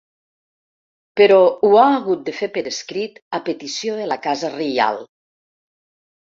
Però ho ha hagut de fer per escrit, a petició de la casa reial.